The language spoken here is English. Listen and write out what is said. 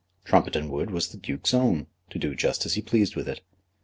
Trumpeton Wood was the Duke's own, to do just as he pleased with it.